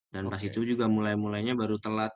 dan pas itu juga mulai mulainya baru telat